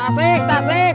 tasik tasik tasik